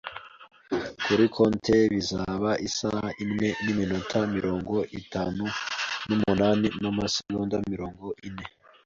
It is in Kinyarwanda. Kuri tone bizaba isaha imwe, iminota mirongo itanu n'umunani n'amasegonda mirongo ine.